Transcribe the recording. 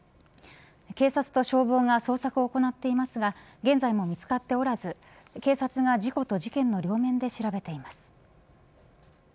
警察と消防が捜索を行っていますが現在も見つかっておらず警察が事故と事件の両面で調べています。